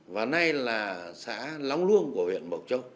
và nay là xã long luông của huyện bộc châu